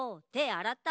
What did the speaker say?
あらった？